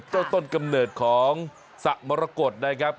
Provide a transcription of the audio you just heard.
ต้นกำเนิดของสะมรกฏนะครับ